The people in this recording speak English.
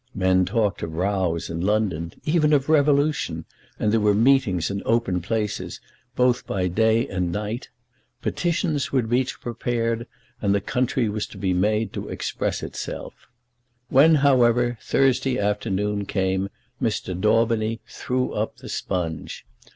Men talked of rows in London, even of revolution, and there were meetings in open places both by day and night. Petitions were to be prepared, and the country was to be made to express itself. When, however, Thursday afternoon came, Mr. Daubeny "threw up the sponge."